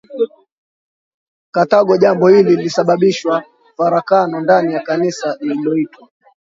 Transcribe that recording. Karthago jambo hili lilisababisha farakano ndani ya Kanisa lililoitwa